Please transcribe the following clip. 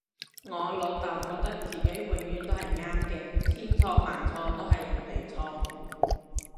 我老竇覺得自己永遠都係啱嘅，千錯萬錯都係人哋錯